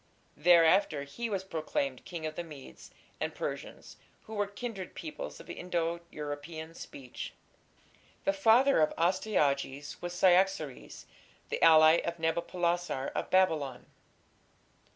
Thereafter he was proclaimed King of the Medes and Persians, who were kindred peoples of Indo European speech. The father of Astyages was Cyaxares, the ally of Nabopolassar of Babylon.